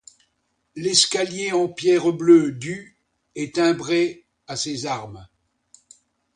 L'escalier en pierre bleue du est timbré à ses armes.